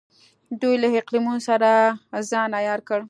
دوی له اقلیمونو سره ځان عیار کړ.